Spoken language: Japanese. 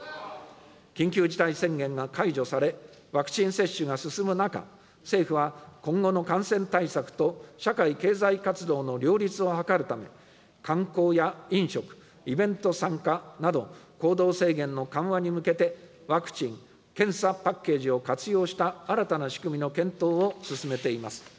緊急事態宣言が解除され、ワクチン接種が進む中、政府は今後の感染対策と、社会経済活動の両立を図るため、観光や飲食、イベント参加など、行動制限の緩和に向けて、ワクチン・検査パッケージを活用した新たな仕組みの検討を進めています。